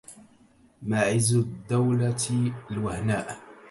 معز الدولة الوهناء